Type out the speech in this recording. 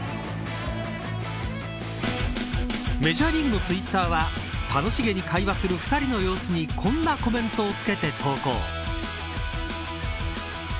メジャーリーグのツイッターは楽しげに会話する２人の様子にこんなコメントも付けて投稿。